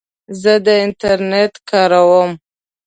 زه د انټرنیټ کاروم.